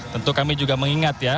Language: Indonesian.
tentu kami juga mengingat ya